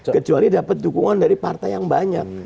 kecuali dapat dukungan dari partai yang banyak